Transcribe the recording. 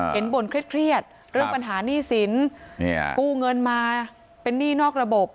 บ่นเครียดเรื่องปัญหาหนี้สินกู้เงินมาเป็นหนี้นอกระบบ